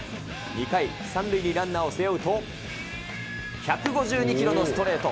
２回、３塁にランナーを背負うと、１５２キロのストレート。